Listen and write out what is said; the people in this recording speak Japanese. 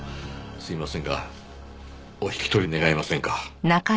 すいませんがお引き取り願えませんか。